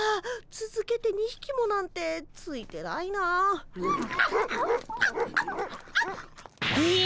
つづけて２ひきもなんてついてないな。え！？